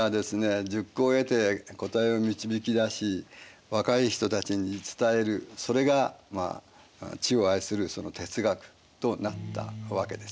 熟考を経て答えを導き出し若い人たちに伝えるそれが知を愛する哲学となったわけです。